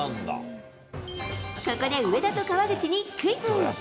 ここで上田と川口にクイズ。